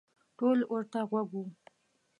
ټول ورته غوږ وو.